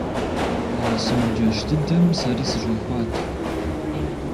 А сымаджэщ дыдэм сэри сыщӀэхуат.